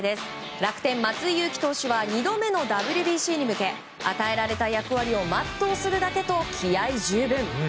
楽天、松井裕樹投手は２度目のＷＢＣに向け与えられた役割を全うするだけと気合十分。